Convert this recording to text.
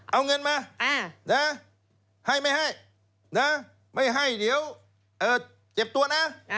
เอาเงินมาให้ไม่ให้นะไม่ให้เดี๋ยวเจ็บตัวนะ